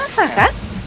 kau bisa lihat